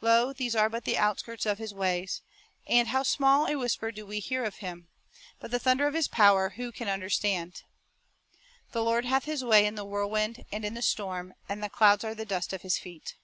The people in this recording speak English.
Lo, these are but the outskirts of His ways ; And how small a whisper do we hear of Him ! But the thunder of His power who can understand ?" 3 " The Lord hath His way in the whirlwind and in the storm, And the clouds arc the dust of His feet."